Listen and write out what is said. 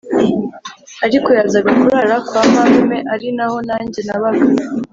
ariko yazaga kurara kwa marume ari naho nanjye nabaga